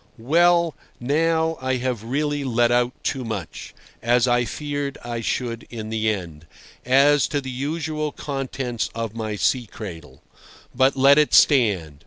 Well, now, I have really let out too much (as I feared I should in the end) as to the usual contents of my sea cradle. But let it stand.